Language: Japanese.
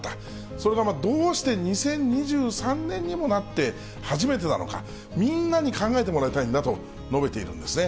それがどうして２０２３年にもなって、初めてなのか、みんなに考えてもらいたいんだと述べているんですね。